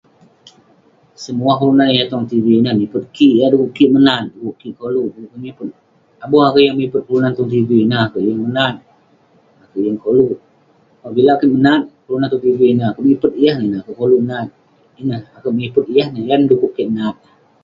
Semua kelunan yah tong tv ineh mipet kik. Yan dukuk kik minat, duduk kik kolouk. Dukuk kik mipet. Abuh akouk yeng mipet kelunan yah tong tv ineh, akouk yeng menat. Akouk yeng koluk. Apabila kik menat kelunan tong tv ineh, akouk mipet yah nen ineh. Akouk kolouk nat. Ineh, akouk mipet yah ineh, yan dukuk kik mauk.